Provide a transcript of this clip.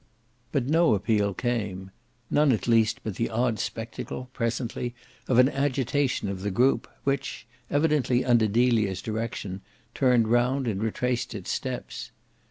But no appeal came; none at least but the odd spectacle, presently, of an agitation of the group, which, evidently under Delia's direction, turned round and retraced its steps.